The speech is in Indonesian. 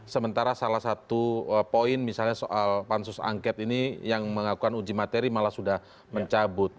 sementara salah satu poin misalnya soal pansus angket ini yang mengakukan uji materi malah sudah mencabut